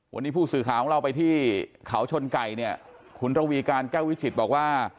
วันนี้ผู้สื่อข่าวของเราไปที่เขาชนไก่เนี่ยคุณระวีการแก้ววิจิตบอกว่า